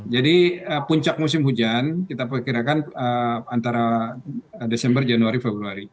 jadi puncak musim hujan kita pikirkan antara desember januari februari